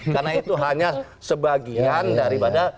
karena itu hanya sebagian daripada